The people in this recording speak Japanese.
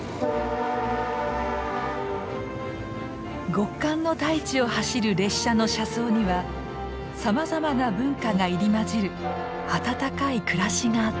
極寒の大地を走る列車の車窓にはさまざまな文化が入り混じる温かい暮らしがあった。